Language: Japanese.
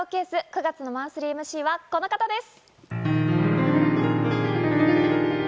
９月のマンスリーＭＣはこの方です。